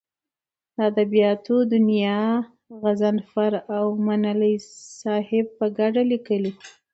د ادبیاتو دونیا غضنفر اومنلی صاحب په کډه لیکلې ده.